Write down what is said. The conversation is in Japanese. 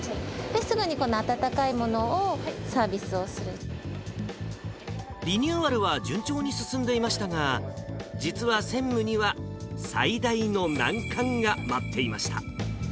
すぐにこの温かいものをサービスリニューアルは順調に進んでいましたが、実は専務には最大の難関が待っていました。